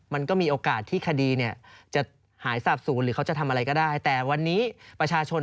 มันก็มีโอกาสที่คดีเนี่ย